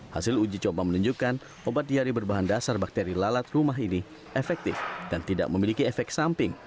hasil uji coba menunjukkan obat diari berbahan dasar bakteri lalat rumah ini efektif dan tidak memiliki efek samping